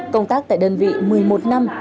công tác tại đơn vị một mươi một năm